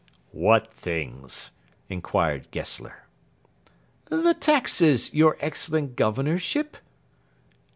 "What things?" inquired Gessler. "The taxes, your excellent Governorship."